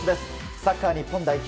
サッカー日本代表